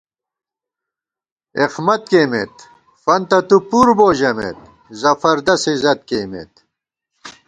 اېخمت کېئیمېت، فنتہ تُو پُر بو ژمېت، زفردس عزت کېئیمېت